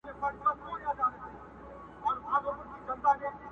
له هیڅ وره ورته رانغلل جوابونه.